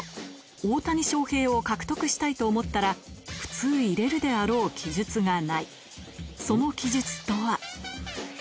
大谷翔平を獲得したいと思ったら普通入れるであろう記述がないその記述とは？